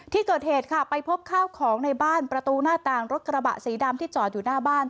ที่เกิดเหตุค่ะไปพบข้าวของในบ้านประตูหน้าต่างรถกระบะสีดำที่จอดอยู่หน้าบ้าน